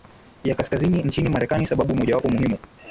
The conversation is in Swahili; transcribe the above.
ya kaskazini nchini Marekani Sababu mojawapo muhimu